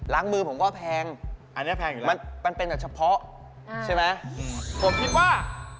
ล้างมือผมก็แพงมันเป็นเหาะเฉพาะใช่ไหมผมคิดว่า